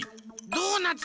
ドーナツ。